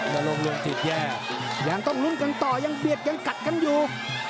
ลงรวมจิตแย่ยังต้องลุ้นกันต่อยังเบียดยังกัดกันอยู่